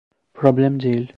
Problem değil.